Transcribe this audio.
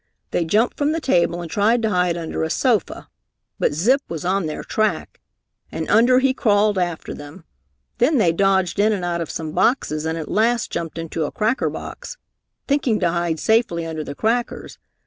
They jumped from the table and tried to hide under a sofa. But Zip was on their track and under he crawled after them. Then they dodged in and out of some boxes and at last jumped into a cracker box, thinking to hide safely under the crackers.